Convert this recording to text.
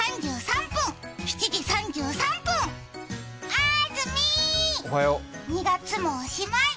あずみ、２月もおしまい。